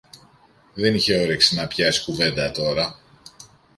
δεν είχε όρεξη να πιάσει κουβέντα τώρα